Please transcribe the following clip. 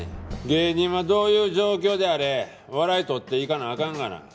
芸人はどういう状況であれ笑い取っていかなあかんがな。